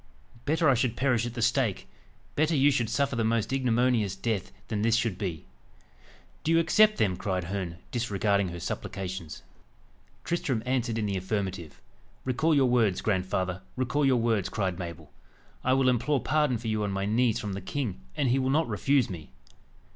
Better I should perish at the stake better you should suffer the most ignominious death, than this should be." "Do you accept them?" cried Herne, disregarding her supplications. Tristram answered in the affirmative. "Recall your words, grandfather recall your words!" cried Mabel. "I will implore pardon for you on my knees from the king, and he will not refuse me."